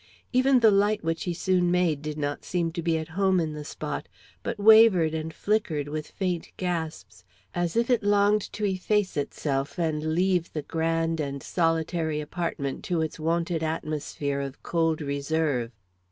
Even the light which he soon made did not seem to be at home in the spot, but wavered and flickered with faint gasps, as if it longed to efface itself and leave the grand and solitary apartment to its wonted atmosphere of cold reserve.